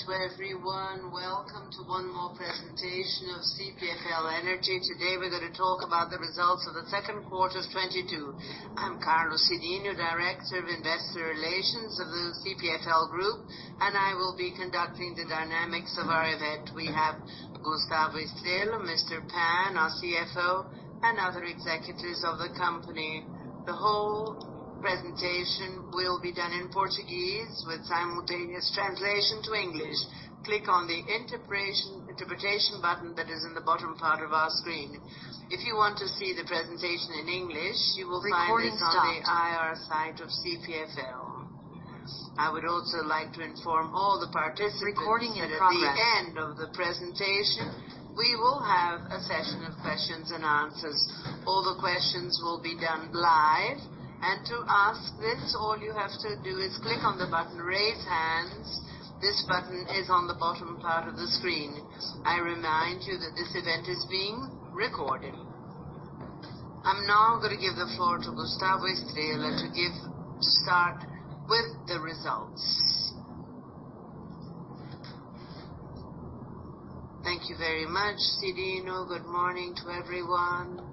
Good morning to everyone. Welcome to one more presentation of CPFL Energia. Today we're gonna talk about the results of the second quarter of 2022. I'm Carlos Cyrino, Director of Investor Relations of the CPFL Group, and I will be conducting the dynamics of our event. We have Gustavo Estrella, Mr. Pan, our CFO, and other executives of the company. The whole presentation will be done in Portuguese with simultaneous translation to English. Click on the interpretation button that is in the bottom part of our screen. If you want to see the presentation in English, you will find this on the IR site of CPFL. I would also like to inform all the participants that at the end of the presentation, we will have a session of questions and answers. All the questions will be done live. To ask this, all you have to do is click on the button, Raise Hands. This button is on the bottom part of the screen. I remind you that this event is being recorded. I'm now gonna give the floor to Gustavo Estrella to start with the results. Thank you very much, Cyrino. Good morning to everyone.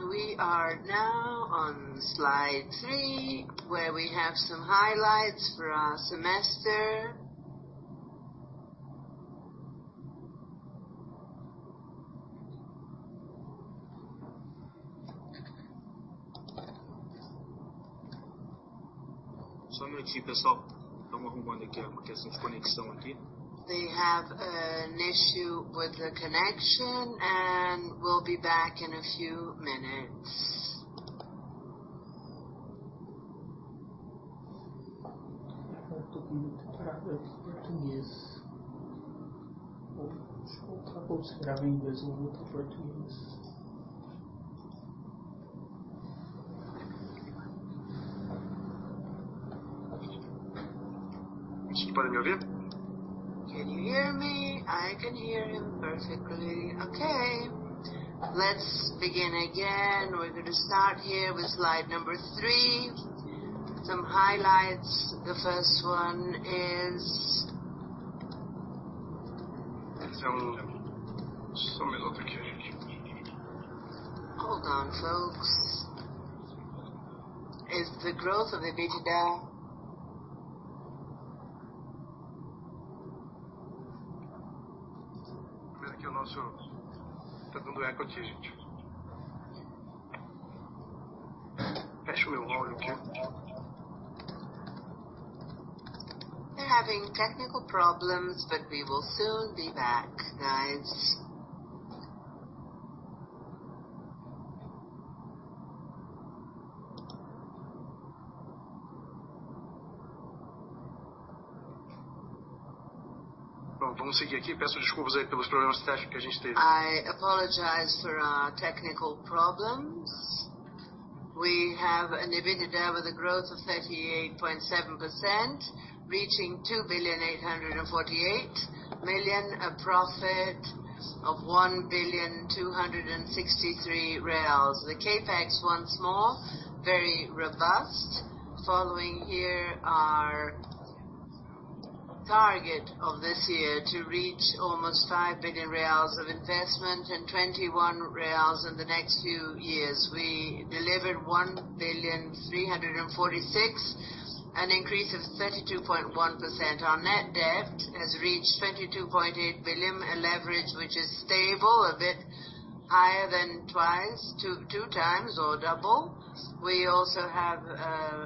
We are now on slide three, where we have some highlights for our semester. They have an issue with the connection, and we'll be back in a few minutes. Can you hear me? I can hear him perfectly. Okay. Let's begin again. We're going to start here with slide number three. Some highlights. The first one is Hold on, folks. Is the growth of the EBITDA. We're having technical problems, but we will soon be back, guys. I apologize for our technical problems. We have an EBITDA with a growth of 38.7%, reaching 2.848 billion, a profit of BRL 1.263 billion. The CapEx once more, very robust. Following here our target of this year to reach almost 5 billion reais of investment and 21 billion reais in the next few years. We delivered 1.346 billion, an increase of 32.1%. Our net debt has reached 22.8 billion, a leverage which is stable, a bit higher than twice, two times or double. We also have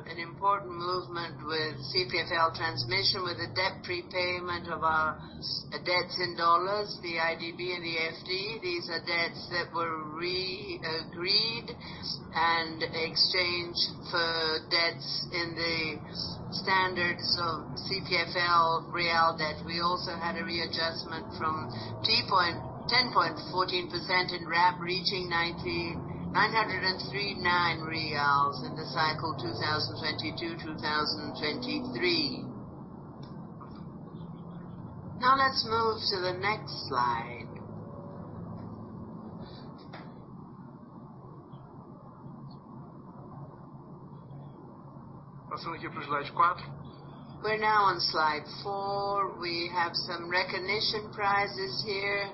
an important movement with CPFL Transmissão with a debt prepayment of our debts in dollars, the IDB and the FD. These are debts that were re-agreed and exchanged for debts in the standards of CPFL real debt. We had a readjustment from 10.14% in RAP, reaching 939 reais in the cycle 2022, 2023. Now let's move to the next slide. We're now on slide four. We have some recognition prizes here.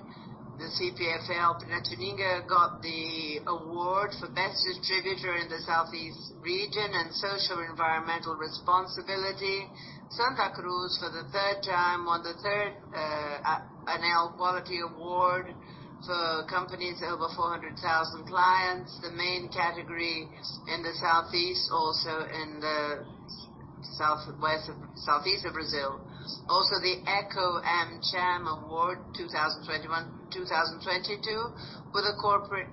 The CPFL Piratininga got the award for Best Distributor in the Southeast Region and Social Environmental Responsibility. CPFL Santa Cruz for the third time won the third ANEEL Quality Award for companies over 400,000 clients, the main category in the southeast, also in the southeast of Brazil. Also, the Eco Amcham Award 2021, 2022 with a corporate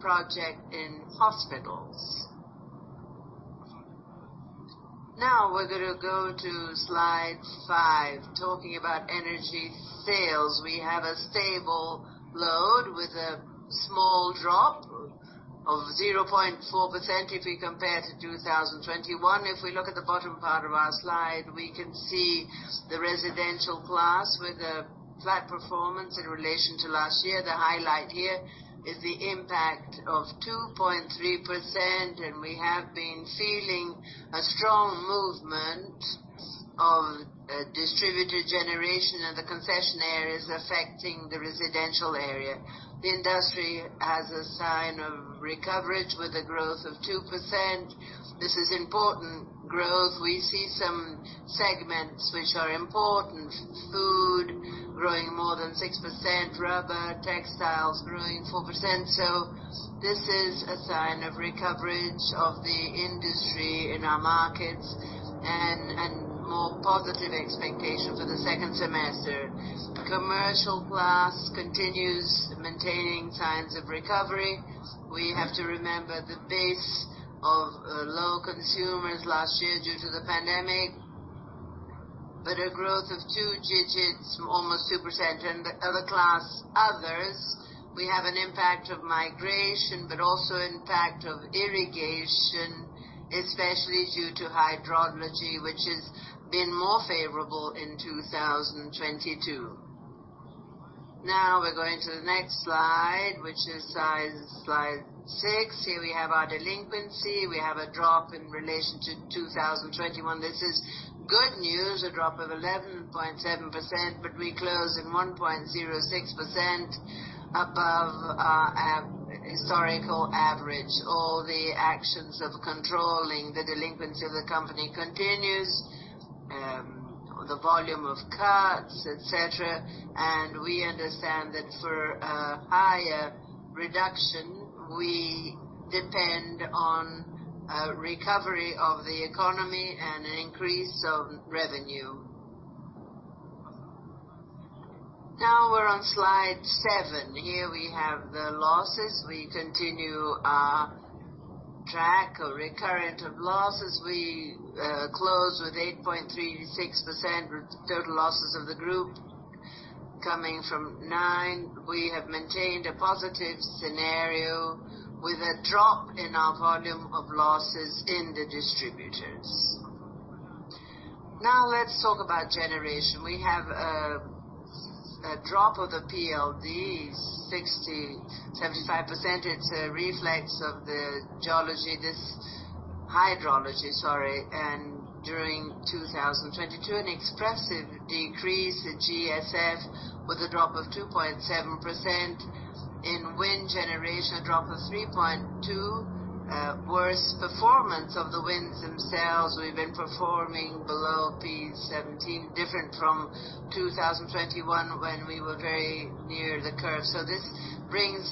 project in hospital. Now we're gonna go to slide five, talking about energy sales. We have a stable load with a small drop of 0.4% if we compare to 2021. If we look at the bottom part of our slide, we can see the residential class with a flat performance in relation to last year. The highlight here is the impact of 2.3%, and we have been feeling a strong movement of distributed generation and the concession areas affecting the residential area. The industry has a sign of recovery with a growth of 2%. This is important growth. We see some segments which are important. Food growing more than 6%, rubber, textiles growing 4%. This is a sign of recovery of the industry in our markets and more positive expectations for the second semester. The commercial class continues maintaining signs of recovery. We have to remember the base of low consumers last year due to the pandemic, but a double-digit growth of almost 2%. The other class, others, we have an impact of migration, but also impact of irrigation, especially due to hydrology, which has been more favorable in 2022. Now we're going to the next slide, which is slide six. Here we have our delinquency. We have a drop in relation to 2021. This is good news, a drop of 11.7%, but we close at 1.06% above our historical average. All the actions of controlling the delinquency of the company continues, the volume of cuts, et cetera. We understand that for a higher reduction, we depend on a recovery of the economy and an increase of revenue. Now we're on slide seven. Here we have the losses. We continue our track record of recurrent losses. We close with 8.36% with total losses of the group coming from 9%. We have maintained a positive scenario with a drop in our volume of losses in the distributors. Now let's talk about generation. We have a drop of the PLD, 60-75%. It's a reflection of the hydrology. During 2022, an expressive decrease in GSF with a drop of 2.7%. In wind generation, a drop of 3.2, worse performance of the winds themselves. We've been performing below P17, different from 2021 when we were very near the curve. So this brings,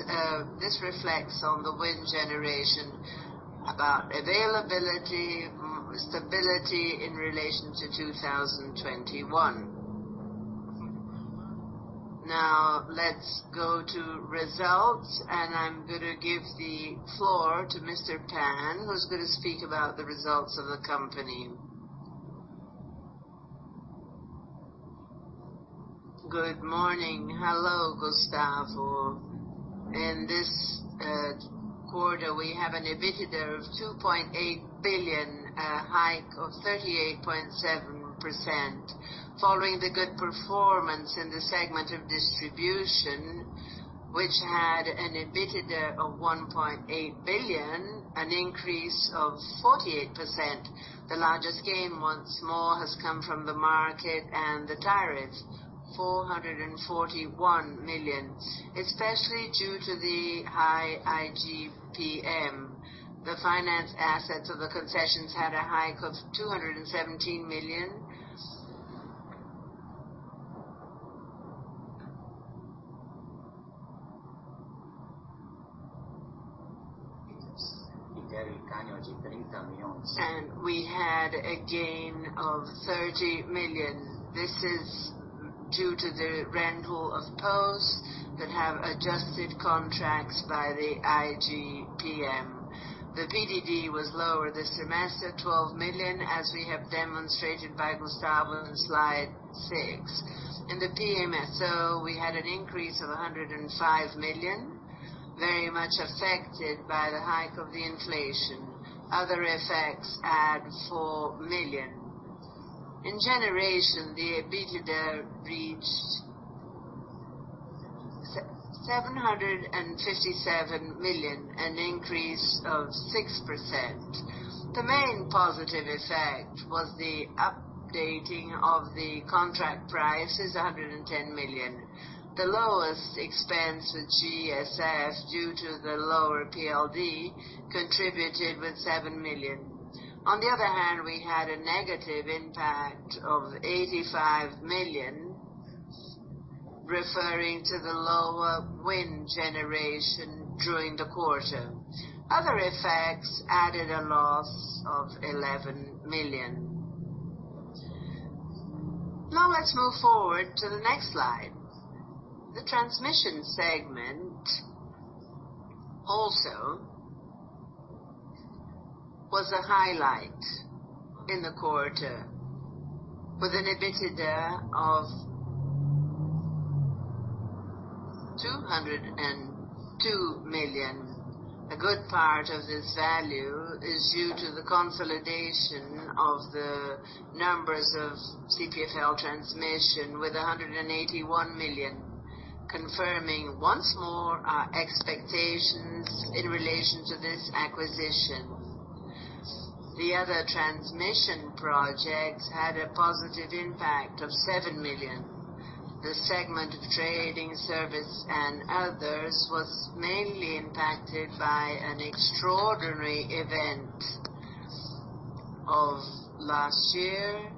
this reflects on the wind generation about availability, instability in relation to 2021. Now let's go to results, and I'm gonna give the floor to Mr. Pan, who's gonna speak about the results of the company. Good morning. Hello, Gustavo Estrella. In this quarter, we have an EBITDA of 2.8 billion, a hike of 38.7%. Following the good performance in the segment of distribution, which had an EBITDA of 1.8 billion, an increase of 48%. The largest gain once more has come from the market and the tariffs, 441 million, especially due to the high IGP-M. The finance assets of the concessions had a hike of 217 million. We had a gain of BRL 30 million. This is due to the rental of posts that have adjusted contracts by the IGP-M. The PDD was lower this semester, 12 million, as we have demonstrated by Gustavo Estrella in slide six. In the PMSO, we had an increase of 105 million, very much affected by the hike of the inflation. Other effects add 4 million. In generation, the EBITDA reached 757 million, an increase of 6%. The main positive effect was the updating of the contract prices, 110 million. The lowest expense with GSF due to the lower PLD contributed with 7 million. On the other hand, we had a negative impact of 85 million, referring to the lower wind generation during the quarter. Other effects added a loss of 11 million. Now let's move forward to the next slide. The transmission segment also was a highlight in the quarter with an EBITDA of 202 million. A good part of this value is due to the consolidation of the numbers of CPFL Transmissão with 181 million, confirming once more our expectations in relation to this acquisition. The other transmission projects had a positive impact of 7 million. The segment of trading service and others was mainly impacted by an extraordinary event of last year,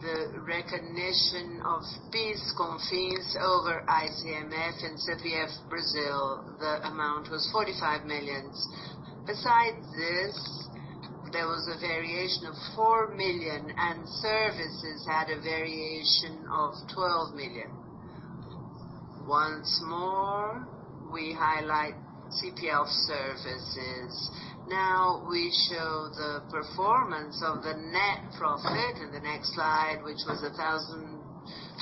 the recognition of these credits over ICMS in CPFL Brasil. The amount was 45 million. Besides this, there was a variation of 4 million, and services had a variation of 12 million. Once more, we highlight CPFL Serviços. Now we show the performance of the net profit in the next slide, which was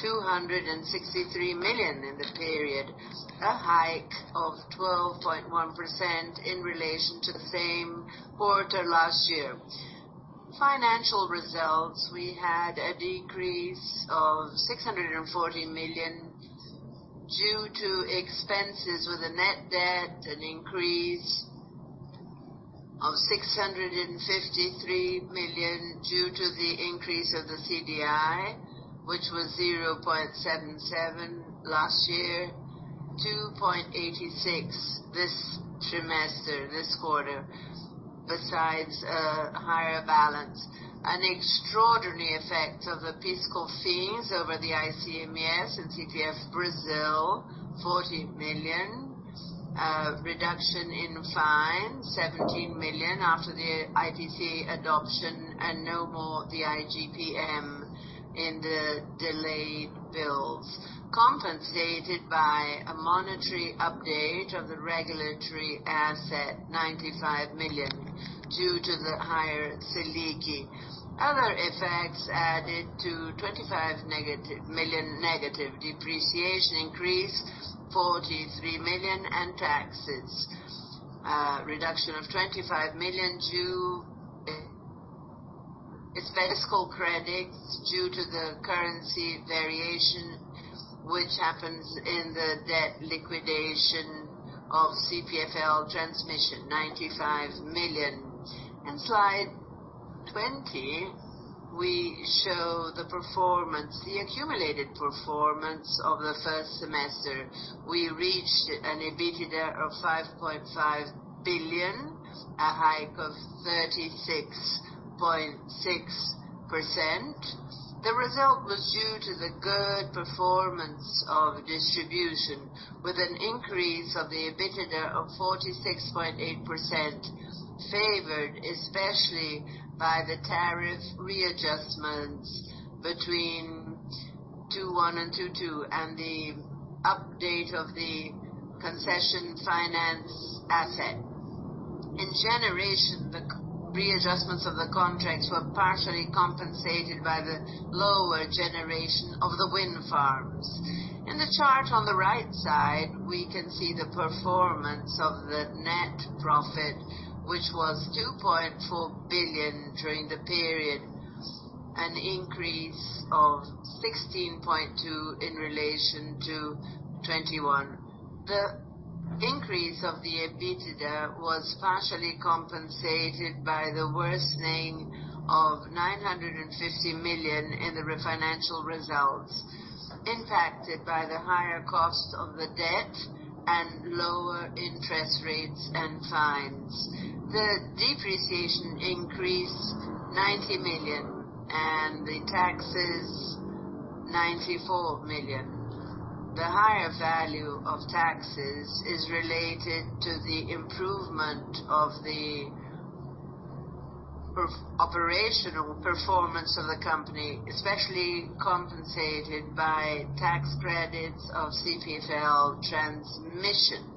1,263 million in the period, a hike of 12.1% in relation to the same quarter last year. Financial results, we had a decrease of 640 million due to expenses with a net debt, an increase of BRL 653 million due to the increase of the CDI, which was 0.77 last year, 2.86 this quarter. Besides a higher balance, an extraordinary effect of the PIS/COFINS over the ICMS in CPFL Brasil, 40 million, reduction in fines, 17 million after the IFRS adoption, and no more the IGP-M in the delayed bills, compensated by a monetary update of the regulatory asset, 95 million due to the higher Selic. Other effects added to 25 million negative, depreciation increase 43 million, and taxes reduction of 25 million due to its fiscal credits due to the currency variation which happens in the debt liquidation of CPFL Transmissão, 95 million. In slide 20, we show the performance, the accumulated performance of the first semester. We reached an EBITDA of 5.5 billion, a hike of 36.6%. The result was due to the good performance of distribution, with an increase of the EBITDA of 46.8%, favored especially by the tariff readjustments between 2021 and 2022, and the update of the concession finance asset. In generation, the readjustments of the contracts were partially compensated by the lower generation of the wind farms. In the chart on the right side, we can see the performance of the net profit, which was BRL 2.4 billion during the period, an increase of 16.2% in relation to 2021. The increase of the EBITDA was partially compensated by the worsening of 950 million in the refinancing results, impacted by the higher costs of the debt and higher interest rates and fines. The depreciation increased 90 million and the taxes 94 million. The higher value of taxes is related to the improvement of the pre-operational performance of the company, especially compensated by tax credits of CPFL Transmissão.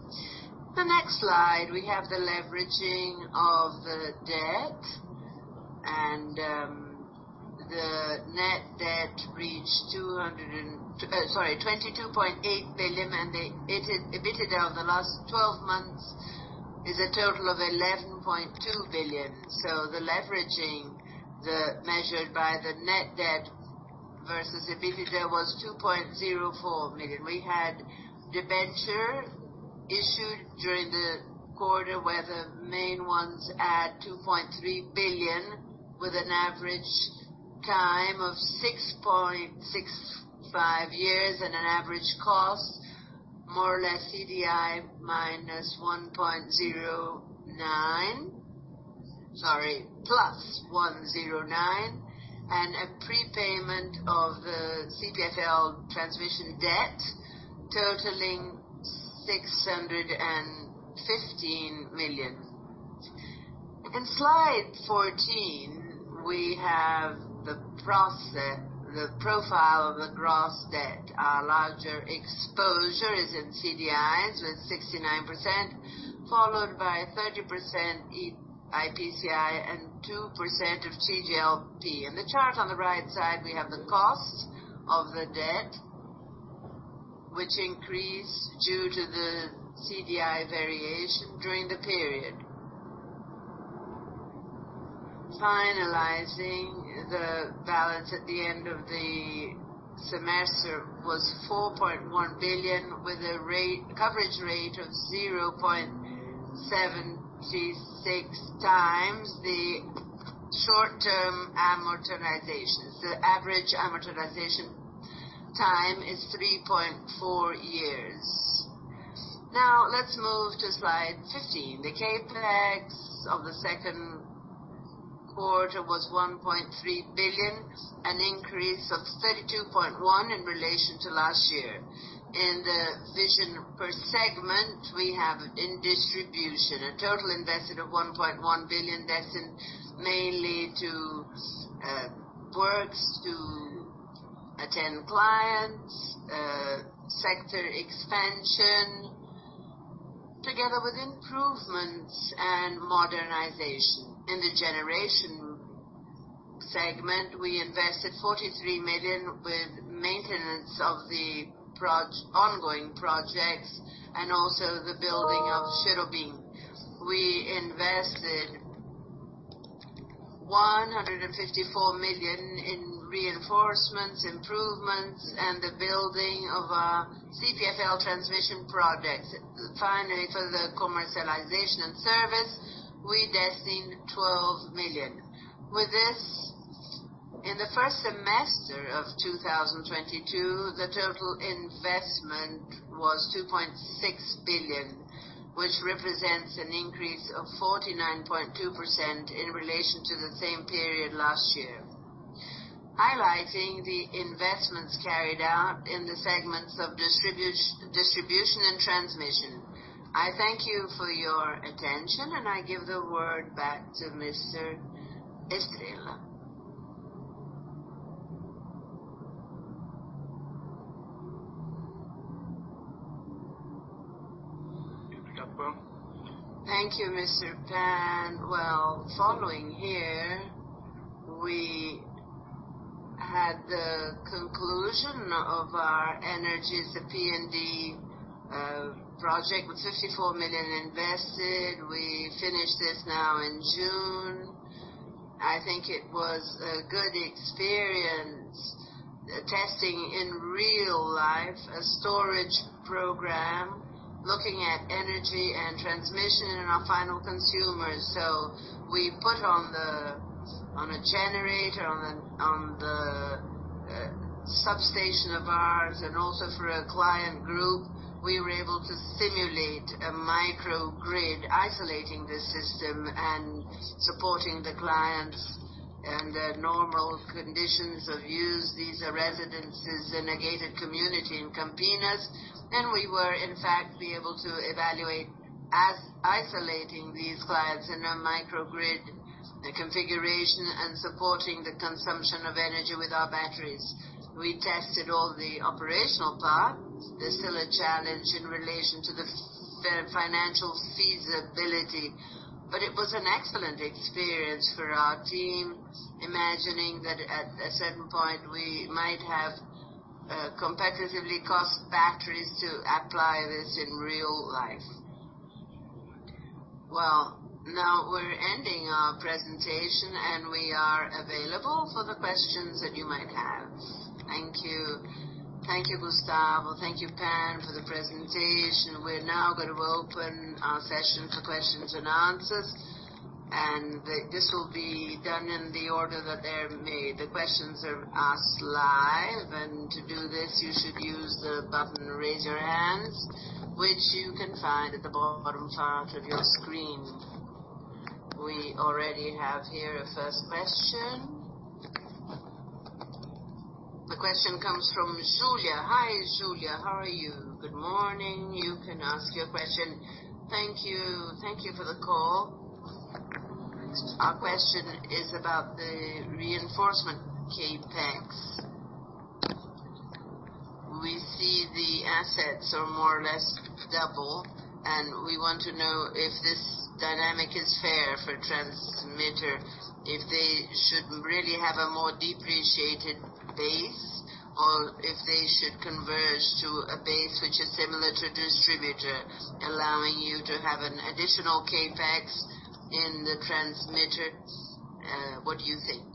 The next slide, we have the leveraging of the debt, and the net debt reached 22.8 billion, and the EBITDA over the last twelve months is a total of 11.2 billion. The leveraging, measured by the net debt versus EBITDA was 2.04. We had debenture issued during the quarter, where the main ones at 2.3 billion, with an average time of 6.65 years and an average cost more or less CDI +1.09. Sorry, plus 1.09, and a prepayment of the CPFL Transmissão debt totaling 615 million. In slide 14, we have the profile of the gross debt. Our larger exposure is in CDIs with 69%, followed by 30% IPCA and 2% of TJLP. In the chart on the right side, we have the cost of the debt, which increased due to the CDI variation during the period. Finalizing the balance at the end of the semester was 4.1 billion, with a coverage rate of 0.736x the short term amortizations. The average amortization time is 3.4 years. Now let's move to slide 15. The CapEx of the second quarter was 1.3 billion, an increase of 32.1% in relation to last year. In the division per segment, we have in distribution a total invested of 1.1 billion, destined mainly to works to attend clients, sector expansion together with improvements and modernization. In the generation segment, we invested 43 million with maintenance of the ongoing projects and also the building of Serra do Bim. We invested BRL 154 million in reinforcements, improvements, and the building of our CPFL Transmission projects. Finally, for the commercialization and service, we destined 12 million. With this, in the first semester of 2022, the total investment was 2.6 billion, which represents an increase of 49.2% in relation to the same period last year, highlighting the investments carried out in the segments of distribution and transmission. I thank you for your attention, and I give the word back to Mr. Estrella. Thank you. Thank you, Mr. Pan. Well, following here, we had the conclusion of our energies, the P&D project with 54 million invested. We finished this now in June. I think it was a good experience, testing in real life a storage program looking at energy and transmission in our final consumers. So we put on a generator on the substation of ours and also for a client group. We were able to simulate a microgrid isolating the system and supporting the clients and their normal conditions of use. These are residences in a gated community in Campinas, and we were in fact able to evaluate as isolating these clients in a microgrid, the configuration and supporting the consumption of energy with our batteries. We tested all the operational parts. There's still a challenge in relation to the financial feasibility, but it was an excellent experience for our team, imagining that at a certain point we might have competitively cost batteries to apply this in real life. Well, now we're ending our presentation, and we are available for the questions that you might have. Thank you. Thank you, Gustavo. Thank you, Pan, for the presentation. We're now going to open our session for questions and answers, and this will be done in the order that they're made. The questions are asked live, and to do this, you should use the button, Raise your Hands, which you can find at the bottom part of your screen. We already have here a first question. The question comes from Julia. Hi, Julia. How are you? Good morning. You can ask your question. Thank you. Thank you for the call. Our question is about the reinforcement CapEx. We see the assets are more or less double, and we want to know if this dynamic is fair for transmission, if they should really have a more depreciated base or if they should converge to a base which is similar to distribution, allowing you to have an additional CapEx in the transmission. What do you think?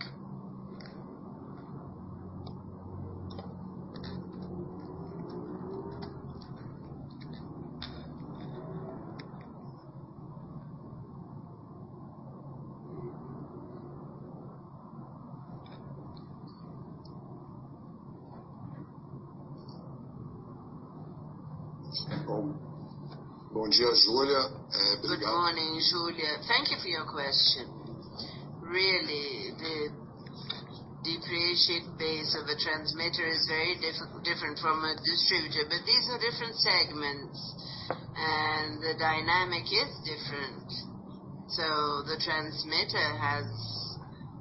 Good morning, Julia. Thank you for your question. Really, the depreciated base of a transmitter is very different from a distributor. These are different segments, and the dynamic is different. The transmitter has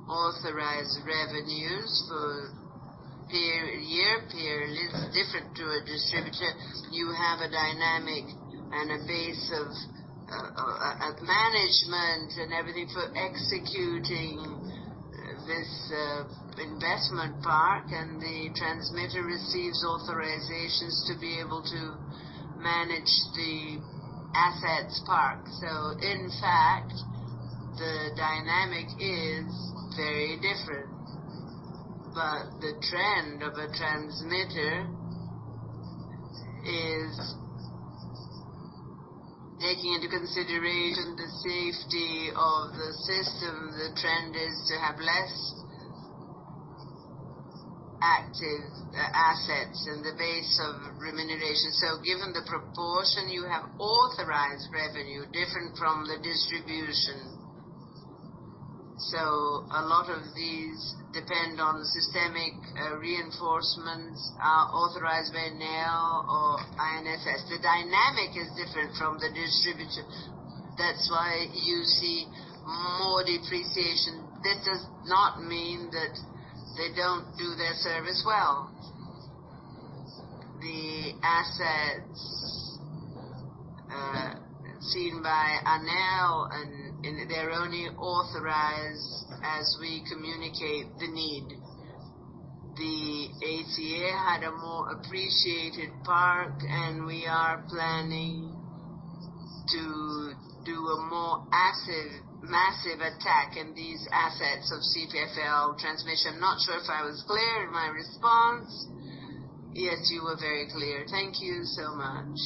authorized revenues for period, year period is different to a distributor. You have a dynamic and a base of management and everything for executing this investment park, and the transmitter receives authorizations to be able to manage the assets park. In fact, the dynamic is very different. The trend of a transmitter is taking into consideration the safety of the system. The trend is to have less active assets in the base of remuneration. Given the proportion, you have authorized revenue different from the distribution. A lot of these depend on systemic reinforcements authorized by ANEEL or ONS. The dynamic is different from the distributor. That's why you see more depreciation. That does not mean that they don't do their service well. The assets, seen by ANEEL and they're only authorized as we communicate the need. The ATA had a more appreciated park, and we are planning to do a more active, massive attack in these assets of CPFL Transmissão. Not sure if I was clear in my response. Yes, you were very clear. Thank you so much.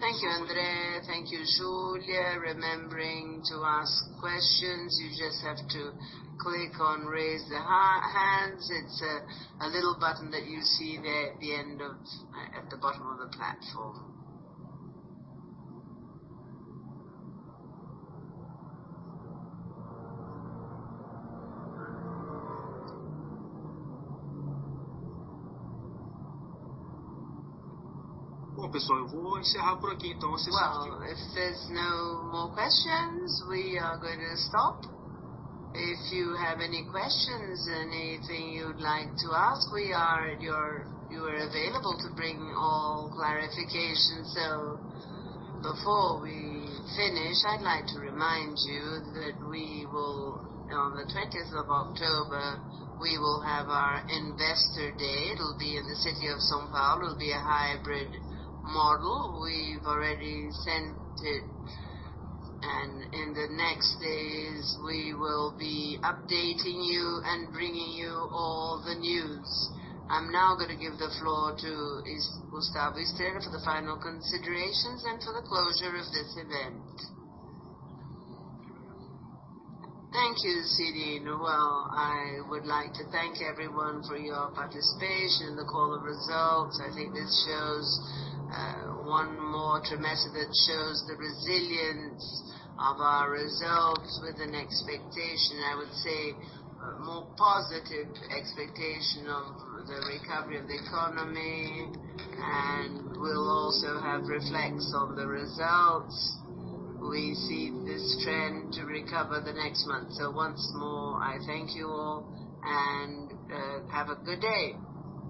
Thank you, André. Thank you, Julia. Remember, to ask questions, you just have to click on Raise Hands. It's a little button that you see there at the bottom of the platform. Well, if there's no more questions, we are gonna stop. If you have any questions, anything you'd like to ask, we are available to bring all clarification. Before we finish, I'd like to remind you that we will, on the twentieth of October, we will have our investor day. It'll be in the city of São Paulo. It'll be a hybrid model. We've already sent it, and in the next days, we will be updating you and bringing you all the news. I'm now gonna give the floor to Gustavo Estrella for the final considerations and for the closure of this event. Thank you, Carlos Cyrino. I would like to thank everyone for your participation in the call of results. I think this shows one more quarter that shows the resilience of our results with an expectation, I would say a more positive expectation of the recovery of the economy, and we'll also have reflection of the results. We see this trend to recover the next month. Once more, I thank you all, and have a good day.